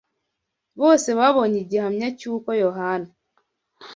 bose babonye igihamya cy’uko Yohana